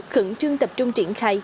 khẩn trương tập trung triển khai